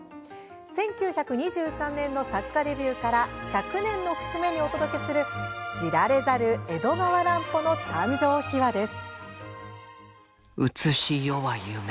１９２３年の作家デビューから１００年の節目にお届けする知られざる江戸川乱歩の誕生秘話です。